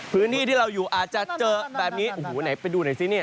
พื้นที่ที่เราอยู่อาจจะเจอแบบนี้โอ้โหไหนไปดูหน่อยซิเนี่ย